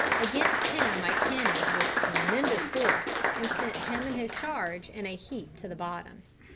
Against him I canonned with tremendous force, and sent him and his charge in a heap to the bottom.